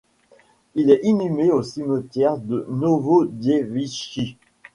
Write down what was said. Il est inhumé au cimetière de Novodievitchi.